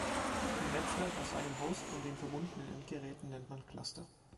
Ein Netzwerk aus einem Host und den verbundenen Endgeräten nennt man Cluster.